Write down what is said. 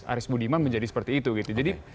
aris budiman menjadi seperti itu gitu jadi